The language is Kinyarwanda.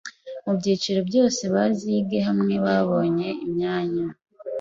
Mu byiciro byose bazige hamwe babone imyanya